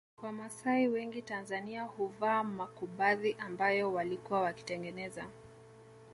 Wamasai wengi Tanzania huvaa makubadhi ambayo walikuwa wakitengeneza